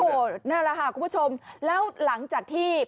โอ้โหเก๋โจทย์ควรเลยนะเอ่อนะฮะคุณผู้ชมแล้วหลังจากที่